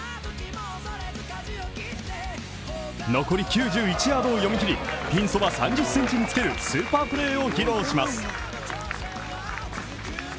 残り９１ヤードを読み切り、ぴん側３０センチにつけるスーパープレーを披露します。